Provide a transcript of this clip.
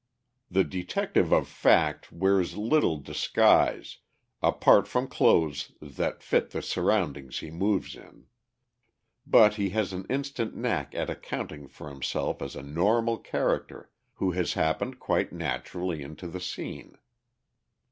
The detective of fact wears little disguise apart from clothes that fit the surroundings he moves in. But he has an instant knack at accounting for himself as a normal character who has happened quite naturally into the scene.